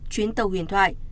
chuyến tàu huyền thoại